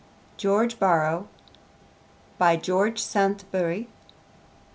George Borrow. By George Saintsbury.